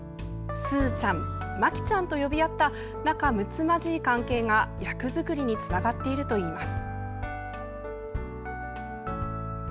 「すーちゃん」「まきちゃん」と呼び合った、仲むつまじい関係が役作りにつながっているといいます。